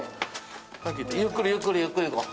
ゆっくりゆっくりゆっくり行こう。